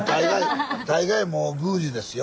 大概もう宮司ですよ。